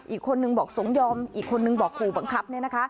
อีกคนนึงบอกสมยอมอีกคนนึงบอกขู่บังคับ